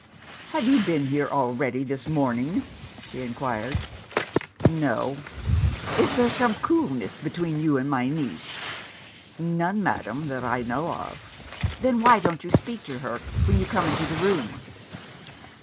"Have you been here already this morning?" she inquired. "No." "Is there some coolness between you and my niece?" "None, madam, that I know of." "Then, why don't you speak to her when you come into the room?"